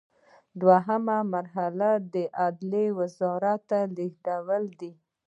دوهمه مرحله د عدلیې وزارت ته لیږل دي.